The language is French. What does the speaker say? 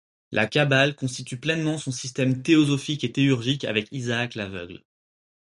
La Kabbale constitue pleinement son système théosophique et théurgique avec Isaac l'Aveugle.